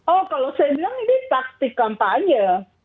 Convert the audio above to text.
oh kalau saya bilang ini taktik kampanye